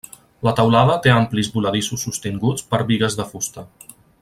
La teulada té amplis voladissos sostinguts per bigues de fusta.